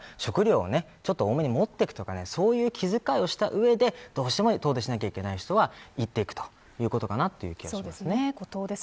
だから食糧を多めに持っていくとかそういう気遣いをした上でどうしても行かなきゃいけない人は行くということかなと思います。